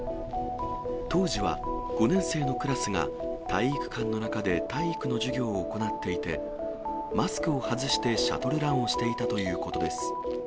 当時は５年生のクラスが体育館の中で体育の授業を行っていて、マスクを外してシャトルランをしていたということです。